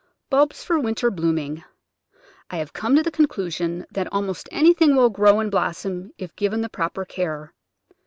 Bulbs for winter blooming. I have come to the conclusion that almost anything will grow and blos som if given the proper care.